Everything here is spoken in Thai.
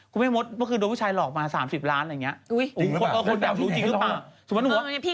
่อใช่เข้าใจเดี๋ยวนี้เขาต้อง